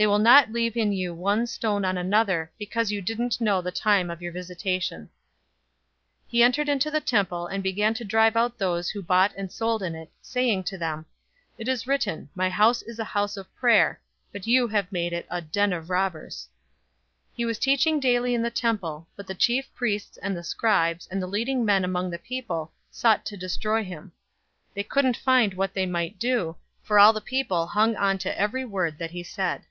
They will not leave in you one stone on another, because you didn't know the time of your visitation." 019:045 He entered into the temple, and began to drive out those who bought and sold in it, 019:046 saying to them, "It is written, 'My house is a house of prayer,'{Isaiah 56:7} but you have made it a 'den of robbers'!"{Jeremiah 7:11} 019:047 He was teaching daily in the temple, but the chief priests and the scribes and the leading men among the people sought to destroy him. 019:048 They couldn't find what they might do, for all the people hung on to every word that he said.